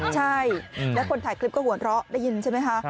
ใช่แล้วคนถ่ายคลิปก็หัวเราะได้ยินใช่ไหมคะ